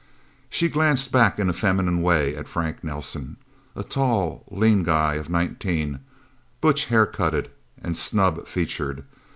She glanced back in a feminine way at Frank Nelsen, a tall, lean guy of nineteen, butch haircutted and snub featured.